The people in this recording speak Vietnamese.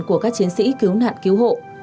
của các chiến sĩ cứu nạn cứu hộ